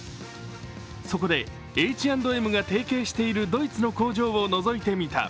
そこで、Ｈ＆Ｍが提携しているドイツの工場をのぞいてみた。